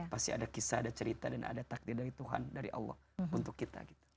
pasti ada kisah ada cerita dan ada takdir dari tuhan dari allah untuk kita